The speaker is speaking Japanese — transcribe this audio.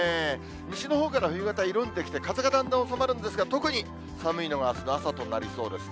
西のほうから冬型、緩んできて、風がだんだん収まるんですが、特に寒いのがあすの朝となりそうですね。